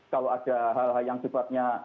kalau ada hal hal yang sifatnya